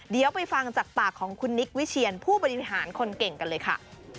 เดี๋ยวไปฟังจากปากของคุณนิกวิเชียนผู้บริหารคนเก่งกันเลยค่ะ